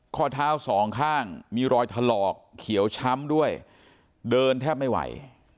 ข้อเท้าสองข้างมีรอยถลอกเขียวช้ำด้วยเดินแทบไม่ไหว